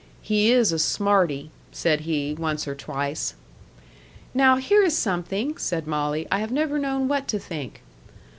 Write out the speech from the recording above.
"He is a smarty," said he, once or twice. "Now here is something," said Molly. "I have never known what to think."